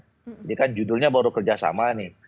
jadi kan judulnya baru kerjasama nih